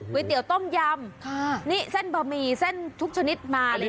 เตี๋ยวต้มยำนี่เส้นบะหมี่เส้นทุกชนิดมาเลยค่ะ